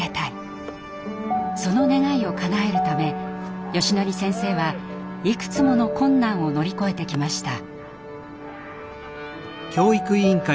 その願いをかなえるためよしのり先生はいくつもの困難を乗り越えてきました。